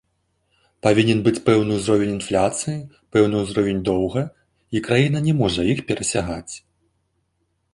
Павінен быць пэўны ўзровень інфляцыі, пэўны ўзровень доўга, і краіна не можа іх перасягаць.